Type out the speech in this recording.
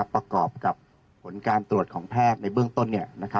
ผลการตรวจสร้างโรงพยาบาลในหัวข้อ